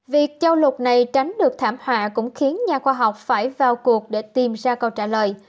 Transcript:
việc châu lục này tránh được thảm họa cũng khiến nhà khoa học phải vào cuộc để tìm ra câu trả lời